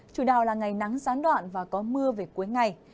chủ đào là ngày nắng sáng đoạn và có mưa về cuối ngày